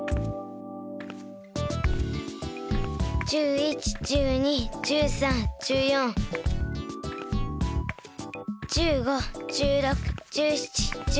１１１２１３１４１５１６１７１８。